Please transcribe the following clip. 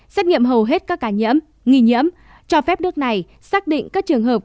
xét nghiệm hầu hết các ca nhiễm nghi nhiễm cho phép nước này xác định các trường hợp